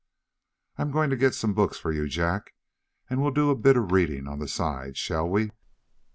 "I'm going to get some books for you, Jack, and we'll do a bit of reading on the side, shall we?"